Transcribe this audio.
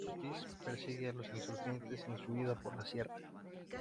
Ortiz persigue a los insurgentes en su huida por la sierra.